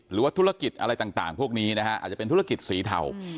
หรือว่าธุรกิจอะไรต่างพวกนี้นะฮะอาจจะเป็นธุรกิจสีเทา